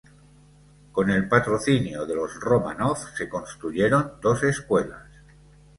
Con el patrocinio de los Románov se construyeron dos escuelas.